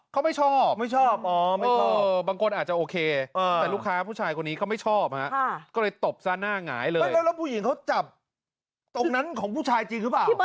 เขาบอกว่าฝั่งสาวเชียร์เบียร์จะมาจับของสงศนเขาว่า